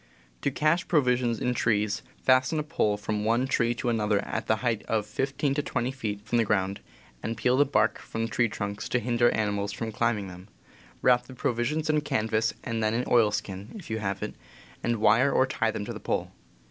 To cache provisions in trees, fasten a pole from one tree to another at a height of 15 to 20 feet from the , ground, and peel the bark from the tree trunks to hinder animals from climbing them; wrap the provisions in canvas and then in oilskin (if you have it), and wire or tie them to the pole.